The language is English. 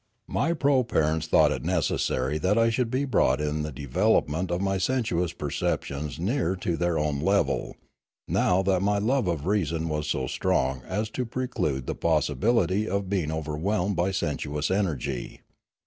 My proparents thought it necessary that I should be brought in the development of my sensuous perceptions nearer to their own level, now that my love of reason was so strong as to preclude the possibility of being overwhelmed by sensuous energy.